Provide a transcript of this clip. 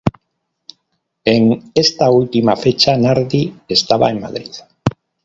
En esta última fecha Nardi estaba en Madrid.